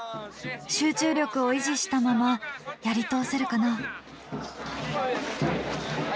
集中力を維持したままやり通せるかな。